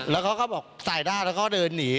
แล้วเขาก็บอกใส่หน้าแล้วเขาเดินหนี